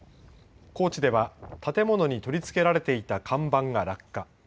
高知では建物に取りつけられていた看板が落下。